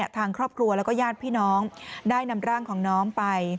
ทางครอบครัวแล้วก็ญาติพี่น้องได้นำร่างของน้องไป